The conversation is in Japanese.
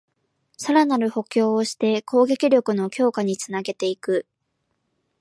さらなる補強をして攻撃力の強化につなげていく